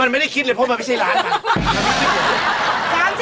มันไม่ได้คิดเลยเพราะมันพี่จะไม่ใช่ร้าน